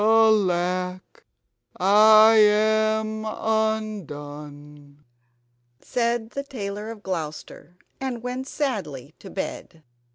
"Alack, I am undone!" said the Tailor of Gloucester, and went sadly to bed.